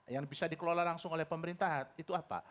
yang bisa dikelola langsung oleh pemerintahan itu apa